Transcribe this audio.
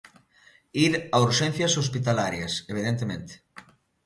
Ir a urxencias hospitalarias, evidentemente.